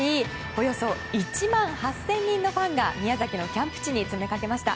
およそ１万８０００人のファンが宮崎のキャンプ地に詰めかけました。